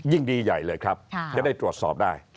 ยิ่งดีใหญ่เลยครับจะได้ตรวจสอบได้